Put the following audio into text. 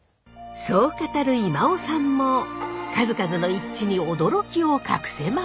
そう語る今尾さんも数々の一致に驚きを隠せません。